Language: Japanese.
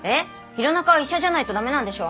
弘中は医者じゃないと駄目なんでしょ。